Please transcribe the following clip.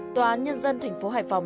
tòa án nhân dân thành phố hải phòng